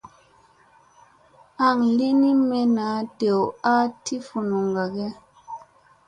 Aŋ lini me naa dew a ti vunuŋga ge ?